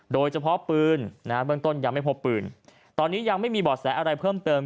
โดยเฉพาะปืนนะฮะเบื้องต้นยังไม่พบปืนตอนนี้ยังไม่มีบ่อแสอะไรเพิ่มเติม